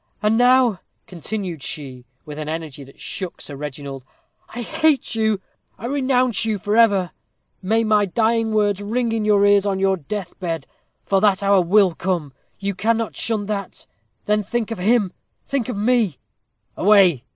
And now," continued she, with an energy that shook Sir Reginald, "I hate you I renounce you forever! May my dying words ring in your ears on your death bed, for that hour will come. You cannot shun that. Then think of him! think of me!" "Away!"